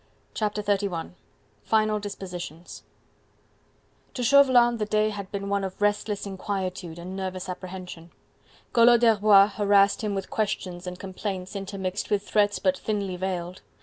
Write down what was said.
Chapter XXXI: Final Dispositions To Chauvelin the day had been one of restless inquietude and nervous apprehension. Collot d'Herbois harassed him with questions and complaints intermixed with threats but thinly veiled.